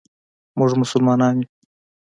مونږ مسلمانان یو.